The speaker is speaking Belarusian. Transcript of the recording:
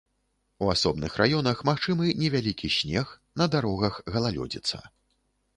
У асобных раёнах магчымы невялікі снег, на дарогах галалёдзіца.